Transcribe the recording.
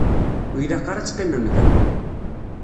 Ur ilaq ara ad teqqimem da.